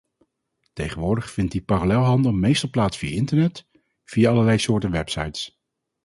Tegenwoordig vindt die parallelhandel meestal plaats via internet, via allerlei soorten websites.